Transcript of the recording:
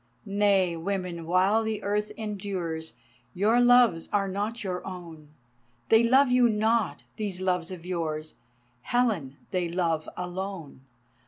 Nay, women while the earth endures, Your loves are not your own. They love you not, these loves of yours, Helen they love alone!